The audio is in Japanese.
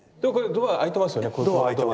ドア開いてますね。